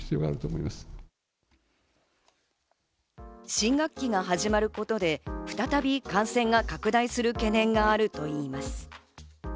新学期が始まることで再び感染が拡大する懸念があるといいます。